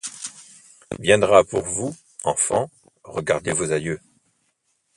Viendra pour vous, enfants, regardez vos aïeux